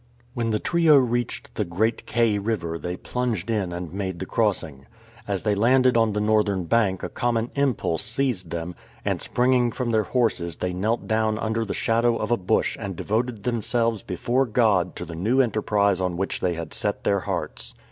When the trio reached the Great Kei River they plunged in and made the crossing. As they landed on the northern bank a common impulse seized them, and springing from their horses they l^nelt down under the shadow of a bush and devoted themselves before God to the new enterprise on which they had set their hearts.